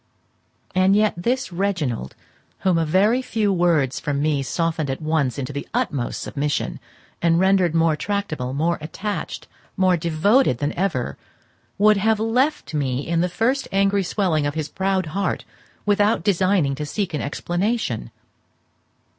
And yet this Reginald, whom a very few words from me softened at once into the utmost submission, and rendered more tractable, more attached, more devoted than ever, would have left me in the first angry swelling of his proud heart without deigning to seek an explanation.